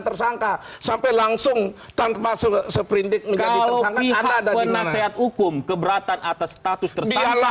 tersangka sampai langsung tanpa seprindik menjaga nama penasehat hukum keberatan atas status tersangka